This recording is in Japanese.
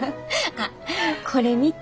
あっこれ見て。